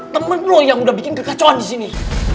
temen lo yang udah bikin kekacauan di sini